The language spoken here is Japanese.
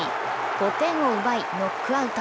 ５点を奪い、ノックアウト。